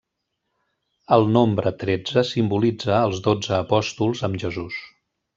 El nombre tretze simbolitza els dotze apòstols amb Jesús.